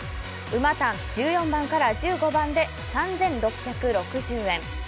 馬単１４番から１５番で３６６０円。